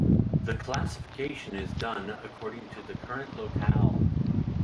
The classification is done according to the current locale.